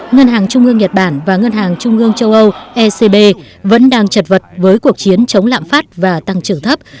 ngân hàng trung ương nhật bản và ngân hàng trung ương châu âu ecb vẫn đang chật vật với cuộc chiến chống lạm phát và tăng trưởng thấp